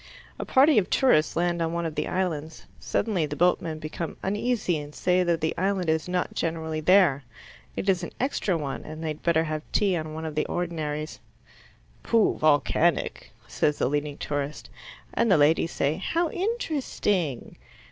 A party of tourists land on one of the islands. Suddenly the boatmen become uneasy, and say that the island is not generally there. It is an extra one, and they had better have tea on one of the ordinaries. "Pooh, volcanic!" says the leading tourist, and the ladies say how interesting.